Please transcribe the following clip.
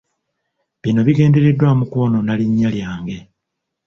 Bino bigendereddwamu kwonoona linnya lyange.